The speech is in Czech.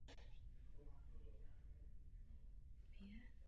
Buď patřila k některým z církví Řecké pravoslavné církve nebo byla Muslimského vyznání.